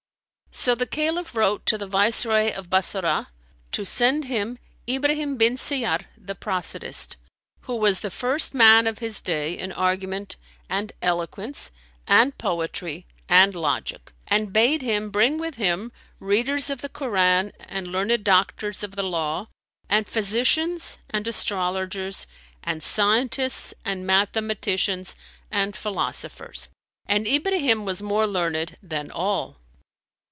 So the Caliph wrote to the Viceroy of Bassorah, to send him Ibrahim bin Siyyαr the prosodist, who was the first man of his day in argument and eloquence and poetry and logic, and bade him bring with him readers of the Koran and learned doctors of the law and physicians and astrologers and scientists and mathematicians and philosophers; and Ibrahim was more learned than all.